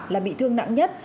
là bị thương nặng nhất